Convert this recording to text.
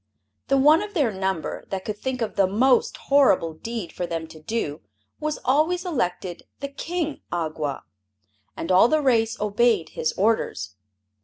The one of their number that could think of the most horrible deed for them to do was always elected the King Awgwa, and all the race obeyed his orders.